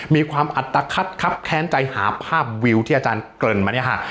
มีความอัตภัทครับแค้นใจหาภาพวิวที่อาจารย์เกริ่นมาเนี่ยค่ะ